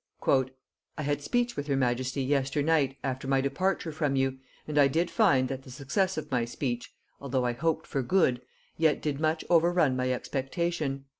"I had speech with her majesty yesternight after my departure from you, and I did find that the success of my speech (although I hoped for good) yet did much overrun my expectation....